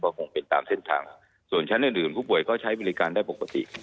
ก็คงเป็นตามเส้นทางส่วนชั้นอื่นอื่นผู้ป่วยก็ใช้บริการได้ปกติ